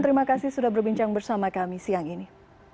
terima kasih sudah berbincang bersama kami siang ini